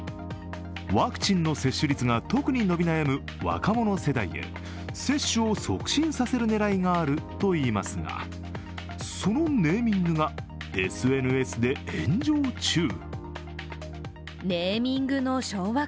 ワクチンの接種率が特に伸び悩む若者世代で接種を促進させる狙いがあるといいますが、そのネーミングがＳＮＳで炎上中。